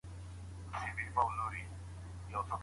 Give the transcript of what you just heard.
هر ماشوم د زده کړي حق لري.